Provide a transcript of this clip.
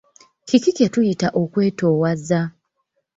Kiki kye tuyita okwetowaza?